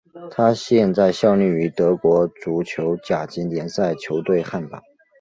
他现在效力于德国足球甲级联赛球队汉堡。